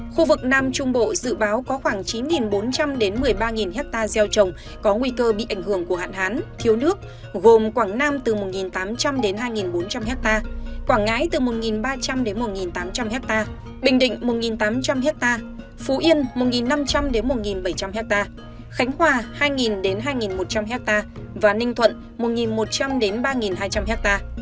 khu vực nam trung bộ dự báo có khoảng chín bốn trăm linh một mươi ba ha gieo trồng có nguy cơ bị ảnh hưởng của hạn hán thiếu nước gồm quảng nam từ một tám trăm linh hai bốn trăm linh ha quảng ngãi từ một ba trăm linh một tám trăm linh ha bình định một tám trăm linh ha phú yên một năm trăm linh một bảy trăm linh ha khánh hòa hai hai một trăm linh ha và ninh thuận một một trăm linh ba hai trăm linh ha